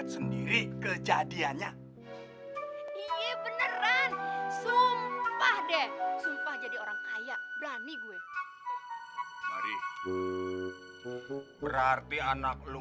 tunggu silah gue da'at